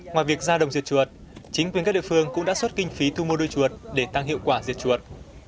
ngoài việc ra đồng diệt chuột chính quyền các địa phương cũng đã xuất kinh phí thu mua đôi chuột để tăng hiệu quả diệt chuột